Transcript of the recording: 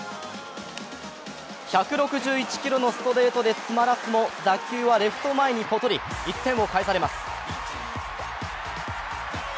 １６１キロのストレートで詰まらすも打球はレフト前にポトリ、１点を返されます。